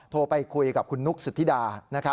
โทรไปคุยกับคุณนุ๊กสุธิดา